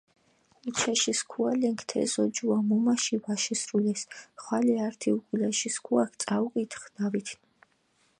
უჩაში სქუალენქ თე ზოჯუა მუმაში ვაშისრულეს, ხვალე ართი უკულაში სქუაქ წაუკითხჷ დავითნი.